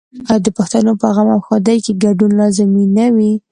آیا د پښتنو په غم او ښادۍ کې ګډون لازمي نه وي؟